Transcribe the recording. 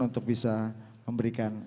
untuk bisa memberikan